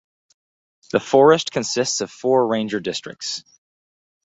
The forest consists of four ranger districts.